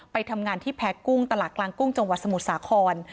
ไปทำงานที่แพ้กุ้งตลาดกลางกุ้งจังหวัดสมุทรสาคร